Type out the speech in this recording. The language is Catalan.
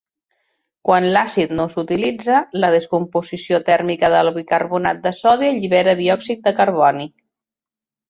Quan l'àcid no s'utilitza, la descomposició tèrmica del bicarbonat de sodi allibera diòxid de carboni.